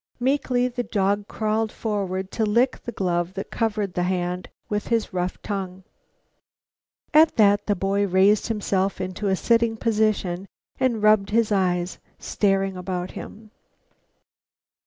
Meekly the dog crawled forward to lick the glove that covered that hand with his rough tongue. At that the boy raised himself to a sitting position, and, rubbing his eyes, stared about him.